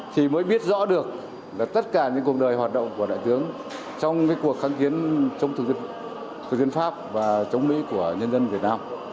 thì mới biết rõ được là tất cả những cuộc đời hoạt động của đại tướng trong cái cuộc kháng kiến chống thực dân pháp và chống mỹ của nhân dân việt nam